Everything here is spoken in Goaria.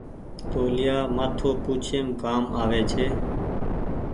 توليآ مآٿو پوڇيم ڪآم آوي ڇي ۔